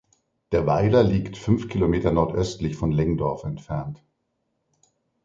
Der Weiler liegt fünf Kilometer nordöstlich von Lengdorf entfernt.